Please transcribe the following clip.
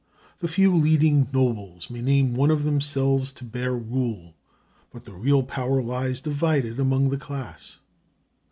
The few leading nobles may name one of themselves to bear rule, but the real power lies divided among the class.